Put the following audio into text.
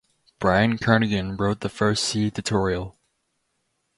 Brian Kernighan wrote the first C tutorial.